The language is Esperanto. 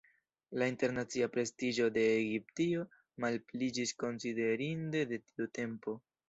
La internacia prestiĝo de Egiptio malpliiĝis konsiderinde de tiu tempo.